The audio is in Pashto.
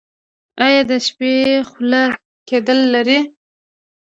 ایا د شپې خوله کیدل لرئ؟